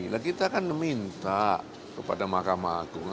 nah kita kan minta kepada mahkamah agung